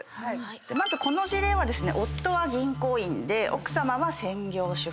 まずこの事例は夫は銀行員で奥さまは専業主婦。